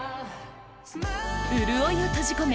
潤いを閉じ込め